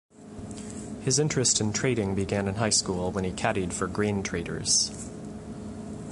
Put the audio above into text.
His interest in trading began in high school when he caddied for grain traders.